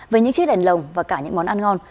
với những chiếc đèn lồng và cả những món ăn ngon